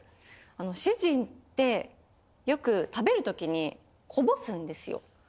主人ってよく食べる時にこぼすんですよ。